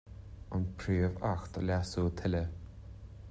An Príomh-Acht a leasú tuilleadh.